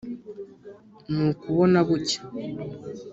ni ukubona bucya